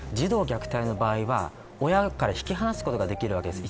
児童虐待の場合は、親から引き離すことができます。